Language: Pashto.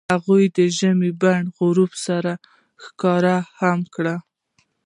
هغوی د ژمنې په بڼه غروب سره ښکاره هم کړه.